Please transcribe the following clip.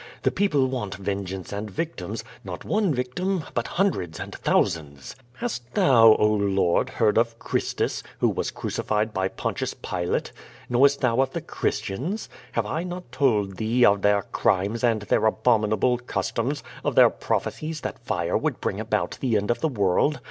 The people want vengeance and victims, not one victim but hundreds and thousands." "Hast thou, oh, Lord, heard of Christus, \vho was cruci fied by Pontius Pilatus. Knowest thou of the Christians? Have I not told thee of their crimes and their abominable customs, of their prophesies that fire would bring about the end of the world?